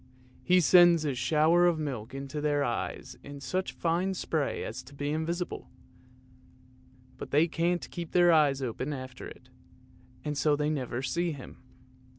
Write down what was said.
he sends a shower of milk into their eyes in such fine spray as to be invisible ; but they can't keep their eyes open after it, and so they never see him.